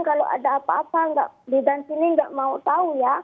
kalau ada apa apa di dalam sini gak mau tahu ya